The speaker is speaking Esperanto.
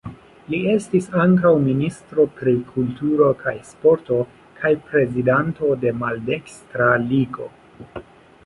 Li estis ankaŭ ministro pri kulturo kaj sporto kaj prezidanto de Maldekstra Ligo.